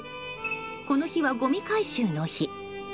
この日はごみ回収の日。